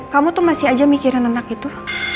kamu tuh masih aja mikirin anak itu